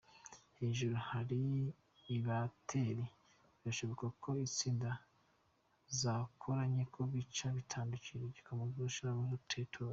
Hejuru hari ibateri, birashoboka ko intsinga zakoranyeko bica bitandukira igikono bashiramwo igitoro.